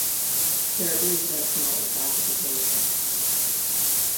There is no smaller classification.